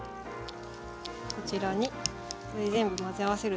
こちらにこれ全部混ぜ合わせるだけ。